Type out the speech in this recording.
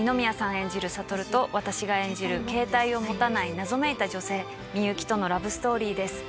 演じる悟と私が演じるケータイを持たない謎めいた女性みゆきとのラブストーリーです。